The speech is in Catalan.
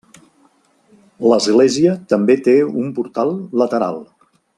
L'església també té un portal lateral.